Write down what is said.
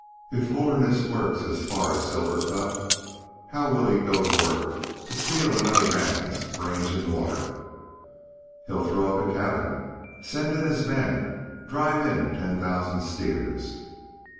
"If Holderness works as far as Silver Cup, how will he go to work to steal another man's range and water?" "He'll throw up a cabin, send in his men, drive in ten thousand steers."